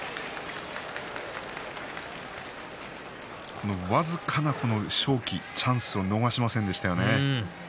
この僅かな勝機チャンスを逃しませんでしたよね。